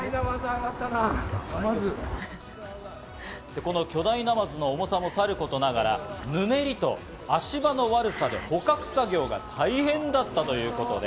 この巨大ナマズの重さもさることながら滑りと足場の悪さで捕獲作業が大変だったということです。